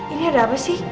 ini ada apa sih